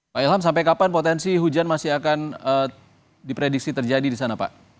pak ilham sampai kapan potensi hujan masih akan diprediksi terjadi di sana pak